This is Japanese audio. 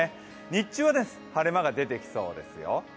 日中は晴れ間が出てきそうですよ。